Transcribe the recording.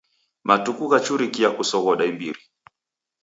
Matuku ghachuria kusoghoda imbiri.